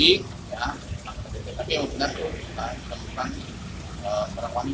menjadikannya kita menemukan seorang perempuan yang diatur di atas lobby tower d